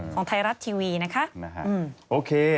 ของไทรัฐทีวีนะคะ